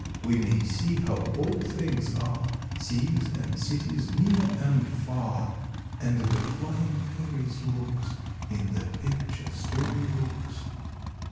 We may see how all things are, Seas and cities, near and far, And the flying fairies' looks, In the picture story books.